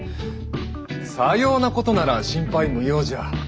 さようなことなら心配無用じゃ。